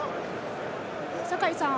酒井さん